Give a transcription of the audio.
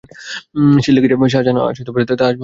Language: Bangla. সে লিখেছে, শাজাহান আজ তার তাজমহলকেও ছাড়িয়ে গেল।